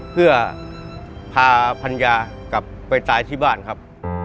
เพื่อพาภรรยากลับไปตายที่บ้านครับ